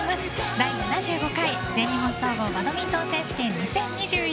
第７５回全日本総合バドミントン選手権２０２１